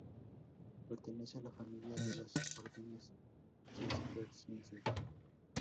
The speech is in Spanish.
Pertenece a la familia de las órdenes cistercienses.